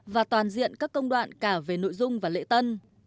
và toàn diện các công đoạn cả về nội dung và lễ tân